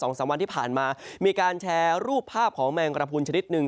สามวันที่ผ่านมามีการแชร์รูปภาพของแมงกระพุนชนิดหนึ่ง